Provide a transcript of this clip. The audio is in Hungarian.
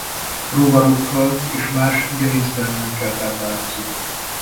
Rovarokkal és más gerinctelenekkel táplálkozik.